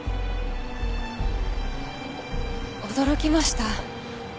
驚きました。